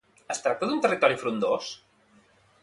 Es tracta d'un territori frondós?